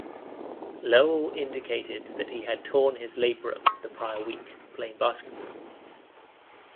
Lowell indicated that he had torn his labrum the prior week playing basketball.